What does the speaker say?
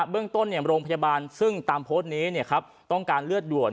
เรื่องต้นโรงพยาบาลซึ่งตามโพสต์นี้ต้องการเลือดด่วน